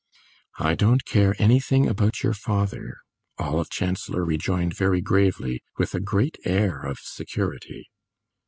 "I don't care anything about your father," Olive Chancellor rejoined very gravely, with a great air of security.